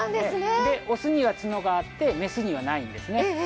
オスには角があってメスにはないんですね。